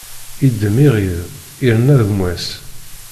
Iddem iɣid, irna gma-s.